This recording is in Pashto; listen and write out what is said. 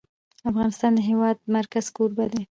افغانستان د د هېواد مرکز کوربه دی.